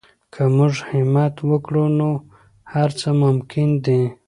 که موږ همت وکړو نو هر څه ممکن دي.